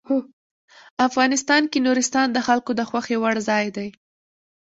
افغانستان کې نورستان د خلکو د خوښې وړ ځای دی.